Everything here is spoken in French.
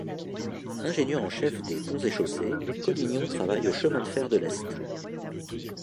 Ingénieur en chef des ponts-et-chaussées, Collignon travaille aux chemins de fer de l'Est.